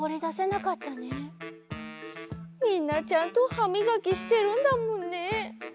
みんなちゃんとはみがきしてるんだもんね。